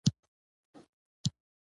هول بروک جاکسون وایي نن لوستل غوره دي.